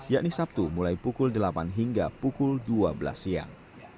yakni sabtu mulai pukul delapan hingga pukul dua belas siang